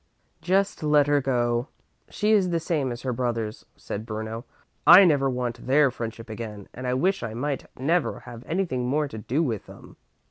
"Just let her go. She is the same as her brothers," said Bruno. "I never want their friendship again, and I wish I might never have anything more to do with them."